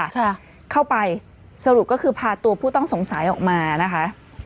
ค่ะเข้าไปสรุปก็คือพาตัวผู้ต้องสงสัยออกมานะคะ